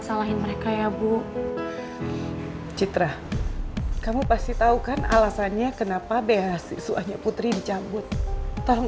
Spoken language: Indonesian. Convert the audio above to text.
salahin mereka ya bu citra kamu pasti tahu kan alasannya kenapa beasiswanya putri dicabut tolong